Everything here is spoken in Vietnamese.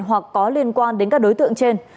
hoặc có liên quan đến các đối tượng trên